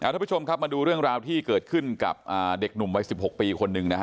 ทุกผู้ชมครับมาดูเรื่องราวที่เกิดขึ้นกับเด็กหนุ่มวัย๑๖ปีคนหนึ่งนะฮะ